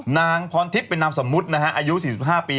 นางพรทิพย์เป็นนามสมมุตินะฮะอายุ๔๕ปี